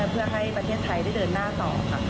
เพื่อให้ประเทศไทยได้เดินหน้าต่อค่ะ